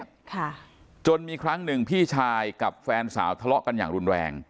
ค่ะจนมีครั้งหนึ่งพี่ชายกับแฟนสาวทะเลาะกันอย่างรุนแรง